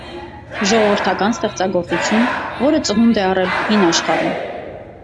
Ժողովրդական ստեղծագործություն, որը ծնունդ է առել հին աշխարհում։